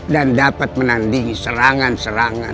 dan dapat menandingi serangan serangan